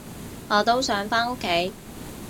我都想返屋企